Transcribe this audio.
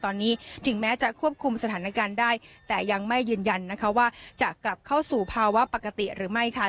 ตอนนี้ถึงแม้จะควบคุมสถานการณ์ได้แต่ยังไม่ยืนยันนะคะว่าจะกลับเข้าสู่ภาวะปกติหรือไม่ค่ะ